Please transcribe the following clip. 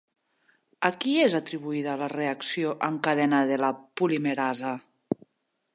A qui és atribuïda la reacció en cadena de la polimerasa?